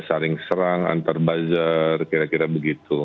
saring serang antar bazar kira kira begitu